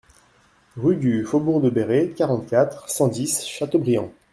Rue du Faubourg de Béré, quarante-quatre, cent dix Châteaubriant